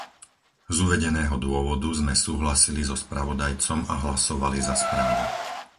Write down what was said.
Z uvedeného dôvodu sme súhlasili so spravodajcom a hlasovali za správu.